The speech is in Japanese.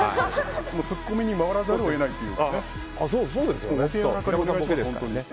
ツッコミに回らざるを得ないという。